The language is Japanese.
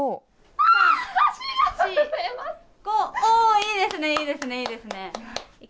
いいですね、いいですね。